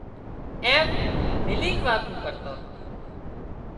ايم ملينَ واتون ڪرتان تان